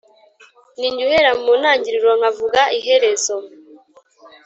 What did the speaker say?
Ni jye uhera mu ntangiriro nkavuga iherezo